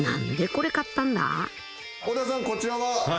こちらは。